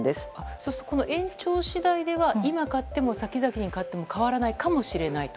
そうすると、この延長次第では今買っても先々に買っても変わらないかもしれないと。